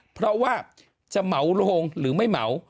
เพราะว่าจะเหมาลงหรือไม่เหมา